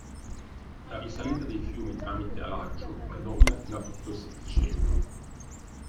La risalita dei fiumi tramite alaggio predomina fino a tutto il Settecento.